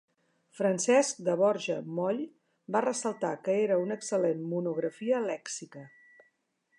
Francesc de Borja Moll va ressaltar que era una excel·lent monografia lèxica.